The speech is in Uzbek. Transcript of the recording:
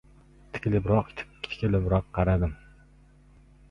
Tikilibroq-tikilibroq qaradim.